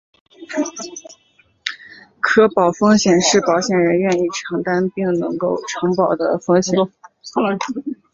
可保风险是保险人愿意承保并能够承保的风险。